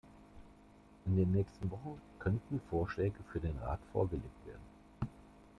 In den nächsten Wochen könnten Vorschläge für den Rat vorgelegt werden.